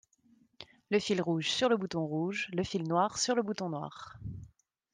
le fil rouge sur le bouton rouge, le fil noir sur le bouton noir